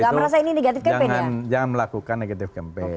ini pesannya pak prabowo itu jangan melakukan negatif campaign